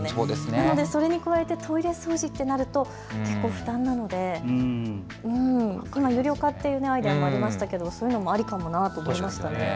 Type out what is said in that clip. なのでそれに加えてトイレ掃除となると結構、負担なので今、有料化というアイデアもありましたがそういうのもあるかなと思いました。